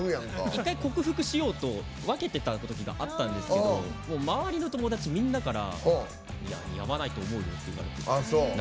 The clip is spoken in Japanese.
一回、克服しようと分けていたときがあったんですけど周りの友達みんなから似合わないと思うって言われて。